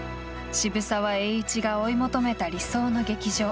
渋沢栄一が追い求めた理想の劇場。